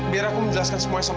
biar aku menjelaskan semuanya sama